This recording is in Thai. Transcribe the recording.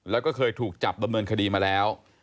แล้วก็เคยถูกจับดำเนินคดีมาแล้ว